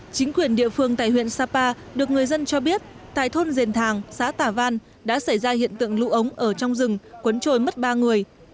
chính quyền địa phương tại huyện sapa được người dân cho biết tại thôn dền thàng xã tả văn đã xảy ra hiện tượng lũ ống ở trong rừng quấn trôi mất ba người